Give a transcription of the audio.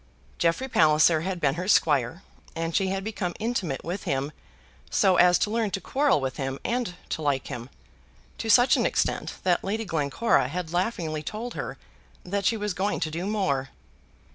Jeffrey Palliser had been her squire, and she had become intimate with him so as to learn to quarrel with him and to like him, to such an extent that Lady Glencora had laughingly told her that she was going to do more.